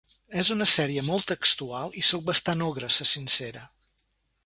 És una sèrie molt textual i sóc bastant ogre, se sincera.